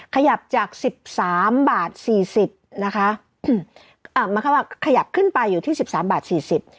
ขยับจากสิบสามบาทสี่สิบนะคะอืมอ่าหมายความว่าขยับขึ้นไปอยู่ที่สิบสามบาทสี่สิบ